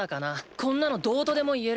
こんなのどうとでも言える。